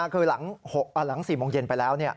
คือหลัง๔โมงเย็นไปแล้ว